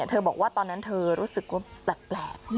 บอกว่าตอนนั้นเธอรู้สึกว่าแปลก